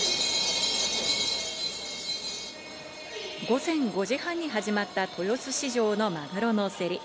午前５時半に始まった豊洲市場のマグロの競り。